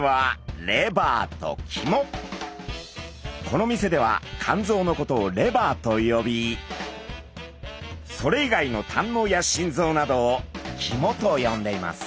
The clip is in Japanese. この店では肝臓のことをレバーと呼びそれ以外の胆のうや心臓などを肝と呼んでいます。